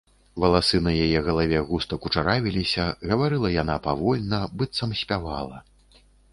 Валасы на яе галаве густа кучаравіліся, гаварыла яна павольна, быццам спявала.